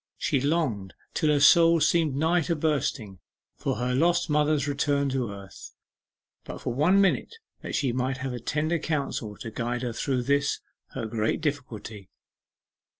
She longed, till her soul seemed nigh to bursting, for her lost mother's return to earth, but for one minute, that she might have tender counsel to guide her through this, her great difficulty.